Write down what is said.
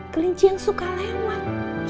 kelinci yang suka lewat